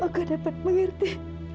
aku dapat mengerti